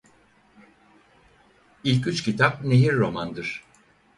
İlk üç kitap nehir romandır.